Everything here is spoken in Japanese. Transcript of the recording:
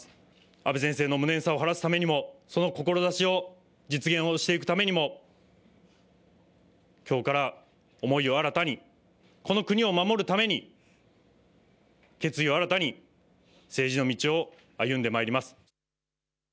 安倍先生の無念さを晴らすためにもその志を実現をしていくためにもきょうから思いを新たにこの国を守るために決意を新たに政治の道を歩んでまいります。